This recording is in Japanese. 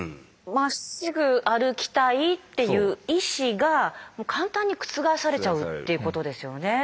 まっすぐ歩きたいっていう意志が簡単に覆されちゃうっていうことですよね。